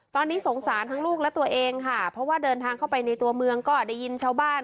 ตอนนี้สงสารทั้งลูกและตัวเองค่ะเพราะว่าเดินทางเข้าไปในตัวเมืองก็ได้ยินชาวบ้าน